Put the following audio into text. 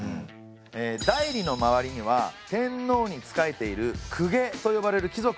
え内裏の周りには天皇に仕えている公家と呼ばれる貴族の住まいがありました。